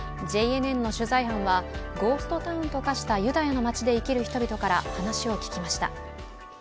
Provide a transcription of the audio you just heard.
ＪＮＮの取材班はゴーストタウンと化したユダヤの街で生きる人々から話を聞きました